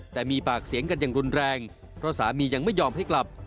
แต่มีปากเสียงกันอย่างรุนแรงเพราะสามียังไม่ยอมให้กลับ